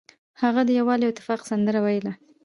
هغه د یووالي او اتفاق سندره ویله.